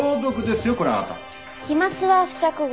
飛沫は付着後